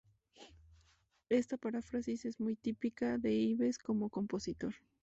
Esta paráfrasis es muy típica de Ives como compositor.